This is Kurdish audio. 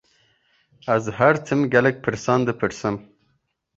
Ez her tim gelek pirsan dipirsim.